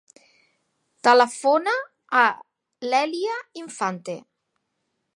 Telefona a l'Èlia Infante.